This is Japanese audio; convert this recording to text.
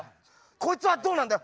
こいつはどうなんだよ。